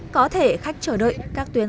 có thể khách chờ đợi các tuyến